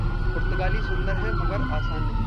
पुर्त्तगाली सुंदर है, मगर आसान नहीं।